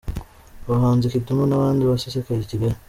Abahanzi Kidumu na bandi basesekaye i Kigali